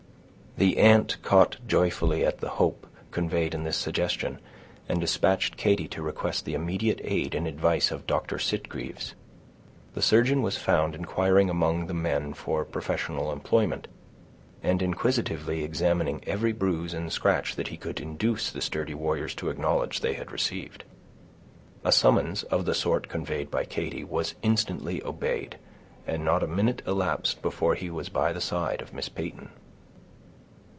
The aunt caught joyfully at the hope conveyed in this suggestion, and dispatched Katy to request the immediate aid and advice of Dr. Sitgreaves. The surgeon was found inquiring among the men for professional employment, and inquisitively examining every bruise and scratch that he could induce the sturdy warriors to acknowledge they had received. A summons, of the sort conveyed by Katy, was instantly obeyed, and not a minute elapsed before he was by the side of Miss Peyton.